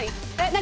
何？